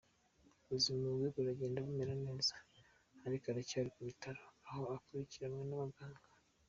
Ubuzima bwe buragenda bumera neza, ariko aracyari mu bitaro aho akurikiranwe n’abaganga.